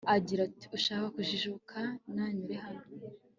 agira ati ushaka kujijuka, nanyure hano